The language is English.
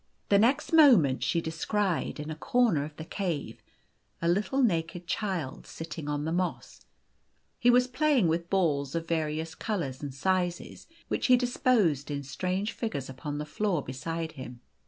The next moment she descried, in a corner of the cave, a little naked child, sitting on the moss. He was playing with balls of various colours and sizes, which he disposed in strange figures upon the floor beside him.